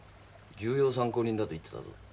重要参考人だと言ってたぞ。